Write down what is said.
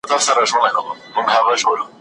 خپل انګړ پاک وساتئ.